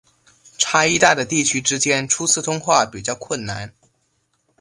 差异大的地区之间初次通话比较困难。